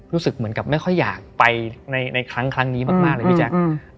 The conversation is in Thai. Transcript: รู้สึกเหมือนกับไม่ค่อยอยากไปในในครั้งครั้งนี้มากมากเลยพี่แจ๊คอืมอืม